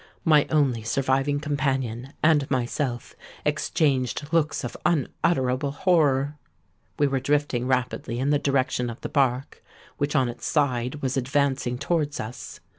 My only surviving companion and myself exchanged looks of unutterable horror. "We were drifting rapidly in the direction of the bark, which on its side was advancing towards us.